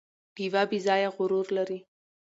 ډیوه بې ځايه غرور لري